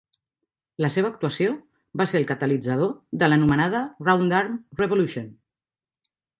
La seva actuació va ser el catalitzador de l'anomenada "roundarm revolution".